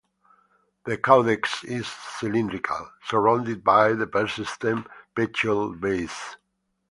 The caudex is cylindrical, surrounded by the persistent petiole bases.